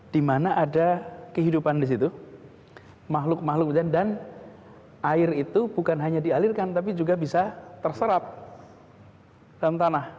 di mana ada kehidupan di situ makhluk makhluk dan air itu bukan hanya dialirkan tapi juga bisa terserap dalam tanah